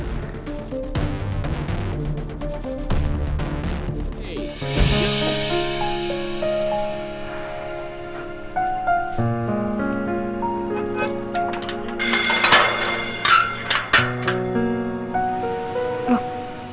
terima kasih bu